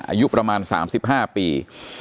อายุประมาณ๓๕ปี